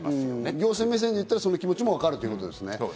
行政目線で言ったら、その気持ちもわかるってことですね。